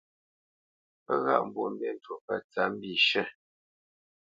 Pə́ ghâʼ Mbwoʼmbî njwōʼ pə̂ tsǎp mbishʉ̂.